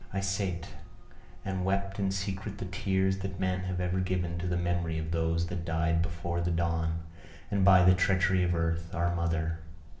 I sate, and wept in secret the tears that men have ever given to the memory of those that died before the dawn, and by the treachery of earth, our mother.